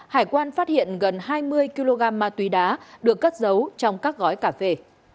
hải quan phát hiện gần hai mươi kg ma túy đá được cất giấu trong các gói cà phê